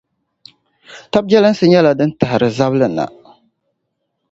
Tab’ jɛlinsi nyɛla din tahiri zabili na.